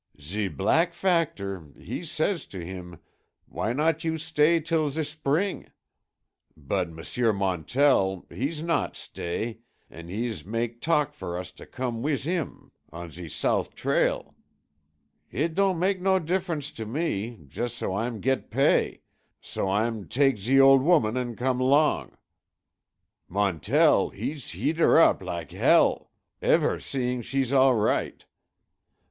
"Ze Black Factor hees say to heem, 'w'y not you stay teel ze spreeng,' but M'sieu Montell hees not stay, an' hees mak talk for us to com' wees heem on ze sout' trail. Eet don' mak no diff'rence to me, jus' so Ah'm geet pay, so Ah'm tak ze ol' woman an' com' long. Montell hees heet 'er up lak hell. Ever' seeng she's all right.